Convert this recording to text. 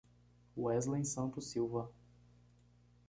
Weslen Santos Silva